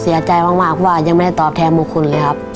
เสียใจมากว่ายังไม่ได้ตอบแทนบุคคลเลยครับ